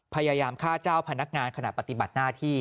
พยายามฆ่าเจ้าพนักงานขณะปฏิบัติหน้าที่